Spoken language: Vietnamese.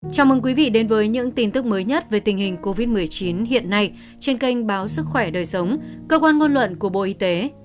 chào mừng quý vị đến với những tin tức mới nhất về tình hình covid một mươi chín hiện nay trên kênh báo sức khỏe đời sống cơ quan ngôn luận của bộ y tế